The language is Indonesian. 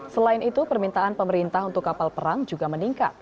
selain itu permintaan pemerintah untuk kapal perang juga meningkat